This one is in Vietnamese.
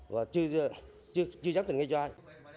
và chưa dám tình nghe cho ai